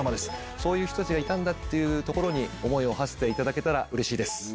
そういう人たちがいたんだっていうところに思いをはせていただけたらうれしいです。